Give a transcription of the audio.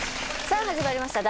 さあ始まりました